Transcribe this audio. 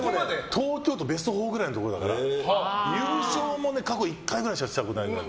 東京都ベスト４ぐらいのところだから優勝も過去１回ぐらいしかしたことないくらい。